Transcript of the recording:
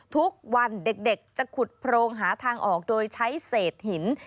ทุกวันเด็กจะขุดโพรงหาทางออกโดยใช้เศษหิน